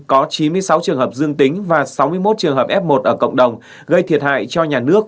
có chín mươi sáu trường hợp dương tính và sáu mươi một trường hợp f một ở cộng đồng gây thiệt hại cho nhà nước